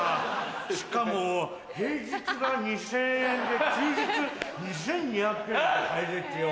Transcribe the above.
しかも平日が２０００円で休日２２００円で入れるってよ